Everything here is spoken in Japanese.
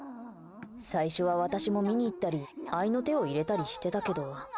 最初は私も見に行ったり合いの手を入れたりしてたけど。